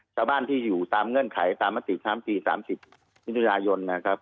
ชาวบ้านที่อยู่ตามเงื่อนไขตามมติ๓ปี๓๐มิถุนายนนะครับ